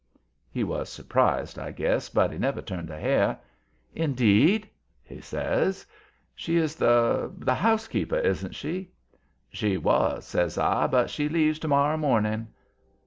He was surprised, I guess, but he never turned a hair. "Indeed?" he says. "She is the the housekeeper, isn't she?" "She was," says I, "but she leaves to morrer morning."